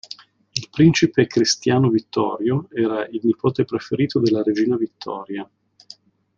Il principe Cristiano Vittorio era il nipote preferito della Regina Vittoria.